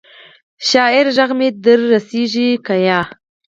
شاعره ږغ مي در رسیږي کنه؟